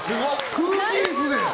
空気椅子で。